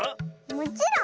もちろん。